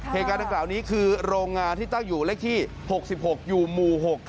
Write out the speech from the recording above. เหตุการณ์ดังกล่าวนี้คือโรงงานที่ตั้งอยู่เลขที่๖๖อยู่หมู่๖